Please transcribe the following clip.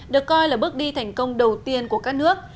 được coi là bước đi thành công đầu tiên của các nước